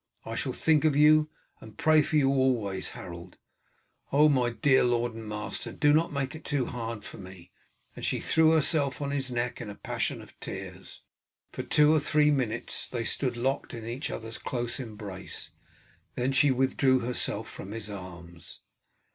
I shall think of you, and pray for you always, Harold. Oh, my dear lord and master, do not make it too hard for me!" and she threw herself on his neck in a passion of tears. For two or three minutes they stood locked in each other's close embrace, then she withdrew herself from his arms.